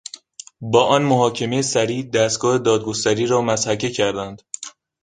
با آن محاکمهی سریع دستگاه دادگستری را مضحکه کردند.